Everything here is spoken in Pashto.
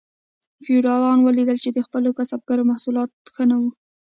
فیوډالانو ولیدل چې د خپلو کسبګرو محصولات ښه نه وو.